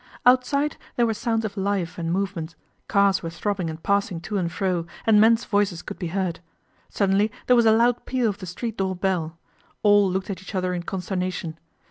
Outside there were sounds of life and movement, cars were throbbing and passing to and fro, and men's voices could be heard. Suddenly there was a loud peal of the street door bell. All looked at each other in consternation.